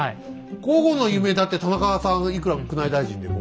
皇后の夢だって田中さんいくら宮内大臣でも。